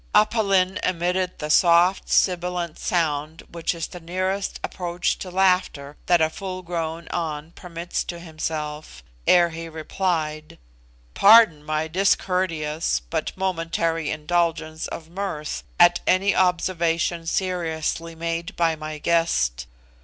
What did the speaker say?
Aph Lin emitted the soft sibilant sound which is the nearest approach to laughter that a full grown An permits to himself, ere he replied: "Pardon my discourteous but momentary indulgence of mirth at any observation seriously made by my guest.